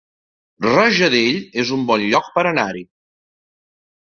Rajadell es un bon lloc per anar-hi